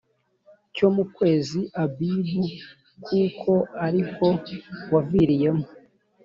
cyo mu kwezi Abibu kuko ari ko waviriyemo